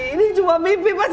ini cuma mimpi pas